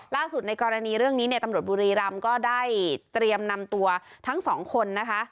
ล่าสุดในกรณีเรื่องนี้ตำรวจบุรีรำก็ได้เตรียมนำตัวทั้งสองคน